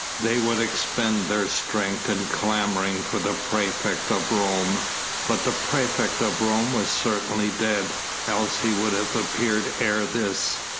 They would expend their strength in clamouring for the praefect of Rome, but the praefect of Rome was certainly dead, else he would have appeared ere this.